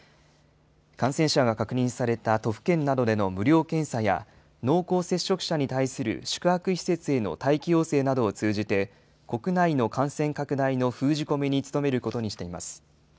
感染者が確認された都府県などでの無料検査や、濃厚接触者に対する宿泊施設への待機要請などを通じて、国内の感染拡大の封じ込めに努めることにしています。